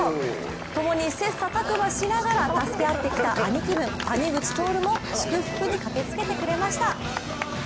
ともに切磋琢磨しながら助け合ってきた兄貴分・谷口徹も祝福に駆けつけてくれました。